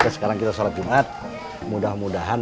sekarang kita sholat jumat mudah mudahan